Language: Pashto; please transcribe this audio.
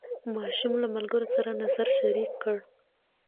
ماشوم له ملګرو سره نظر شریک کړ